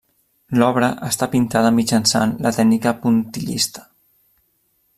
L'obra està pintada mitjançant la tècnica puntillista.